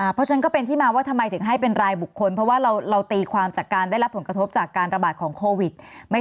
เพราะฉะนั้นก็เป็นที่มาว่าทำไมถึงให้เป็นรายบุคคลเพราะว่าเราตีความจากการได้รับผลกระทบจากการระบาดของโควิด